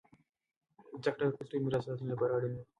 زده کړه د کلتور د میراث د ساتنې لپاره اړینه دی.